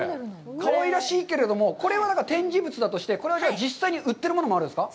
かわいらしいけれども、これは展示物だとして、これは実際に売ってるものもあるんですか。